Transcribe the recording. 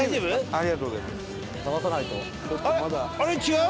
ありがとうございます。